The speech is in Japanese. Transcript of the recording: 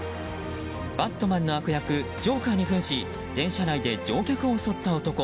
「バットマン」の悪役ジョーカーに扮し電車内で乗客を襲った男。